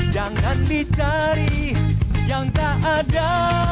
jangan dicari yang tak ada